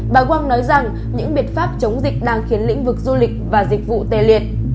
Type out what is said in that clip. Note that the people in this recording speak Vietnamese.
bà quang nói rằng những biện pháp chống dịch đang khiến lĩnh vực du lịch và dịch vụ tê liệt